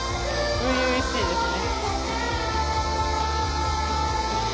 初々しいですね。